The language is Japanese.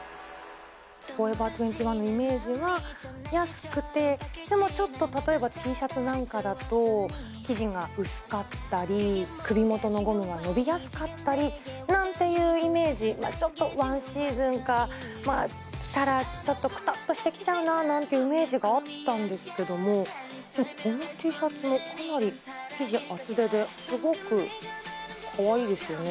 フォーエバー２１のイメージは安くて、でもちょっとＴシャツだと、生地が薄かったり、首元のゴムが伸びやすかったり、なんていうイメージ、ちょっと１シーズンか着たら、ちょっとくたっとしてきちゃうな、なんていうイメージがあったんですけれども、このＴシャツもかなり生地厚手ですごくかわいいですよね。